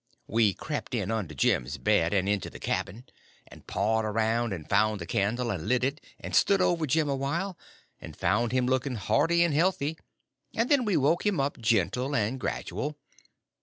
We crept in under Jim's bed and into the cabin, and pawed around and found the candle and lit it, and stood over Jim awhile, and found him looking hearty and healthy, and then we woke him up gentle and gradual.